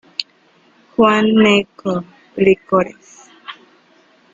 Juan Gnecco; Licores.